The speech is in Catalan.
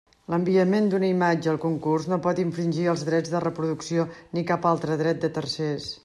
L'enviament d'una imatge al concurs no pot infringir els drets de reproducció ni cap altre dret de tercers.